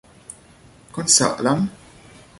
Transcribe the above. Con sợ lắm